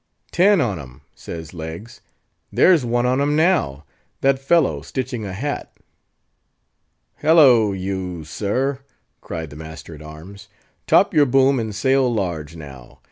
"Ten on' em," says Leggs. "There's one on 'em now—that fellow stitching a hat." "Halloo, you, sir!" cried the master at arms, "top your boom and sail large, now.